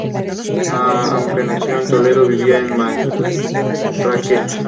Antiguamente, la pelota o bocha estaba hecha de cuero y corcho.